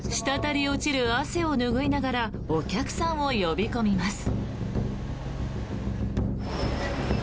滴り落ちる汗を拭いながらお客さんを呼び込みます。